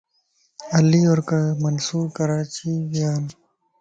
علي اور منصور ڪراچي ويان